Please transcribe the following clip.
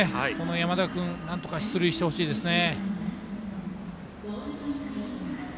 山田君なんとか出塁してほしいですね。